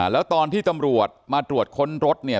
แล้วตอนที่ตำรวจมาตรวจค้นรถเนี่ย